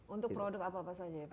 untuk produk apa apa saja ya pak